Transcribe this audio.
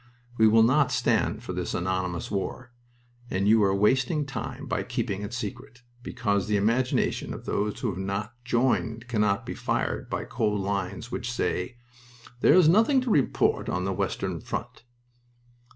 We will not stand for this anonymous war; and you are wasting time by keeping it secret, because the imagination of those who have not joined cannot be fired by cold lines which say, 'There is nothing to report on the western front.'"